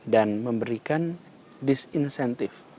dan memberikan disincentive